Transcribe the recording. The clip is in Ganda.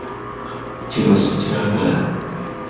Kino sikyagala.